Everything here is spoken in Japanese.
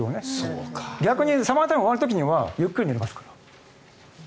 逆にサマータイムが終わる時にはゆっくり寝れますから。